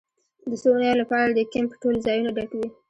د څو اونیو لپاره د کیمپ ټول ځایونه ډک وي